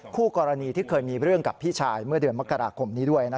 คู่กรณีที่เคยมีเรื่องกับพี่ชายเมื่อเดือนมกราคมนี้ด้วย